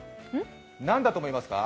何だと思いますか？